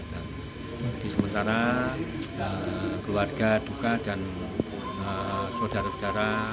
jadi sementara keluarga duka dan saudara saudara